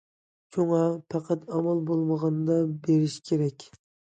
شۇڭا، پەقەت ئامال بولمىغاندا بېرىش كېرەك.